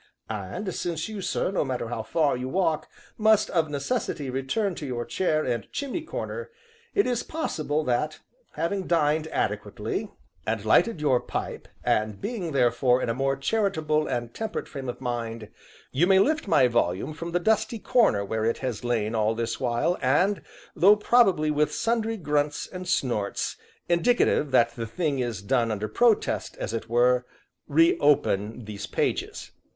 And since you, sir, no matter how far you walk, must, of necessity, return to your chair and chimney corner, it is possible that, having dined adequately, and lighted your pipe (and being therefore in a more charitable and temperate frame of mind), you may lift my volume from the dusty corner where it has lain all this while, and (though probably with sundry grunts and snorts, indicative that the thing is done under protest, as it were) reopen these pages.